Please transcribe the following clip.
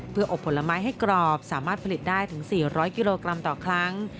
เพื่ออบผลไม้ให้กรอบสามารถผลิตได้ถึง๔๐๐กิโลกรัมต่อครั้ง